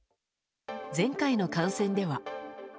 前回の感染では。